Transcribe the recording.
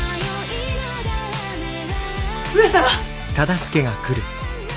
・上様！